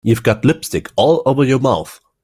You've got lipstick all over your mouth.